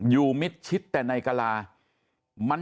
อยู่มิตชิดแต่ในกลา